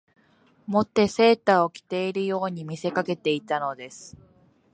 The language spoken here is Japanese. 以てセーターを着ているように見せかけていたのです